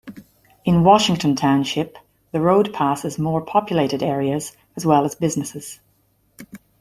In Washington Township, the road passes more populated areas as well as businesses.